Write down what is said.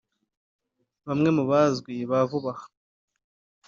Bamwe mu bazwi ba vuba aha